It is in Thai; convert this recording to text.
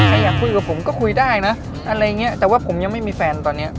อยากคุยกับผมก็คุยได้นะอะไรอย่างเงี้ยแต่ว่าผมยังไม่มีแฟนตอนเนี้ย